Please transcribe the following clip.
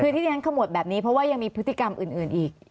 คือที่ที่ฉันขมวดแบบนี้เพราะว่ายังมีพฤติกรรมอื่นอีก